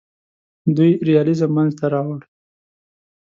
دوی ریالیزم منځ ته راوړ.